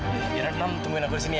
biarin aku nungguin aku disini ya